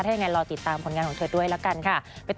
ถ้ายังไงรอติดตามผลงานของเธอด้วยละกันค่ะ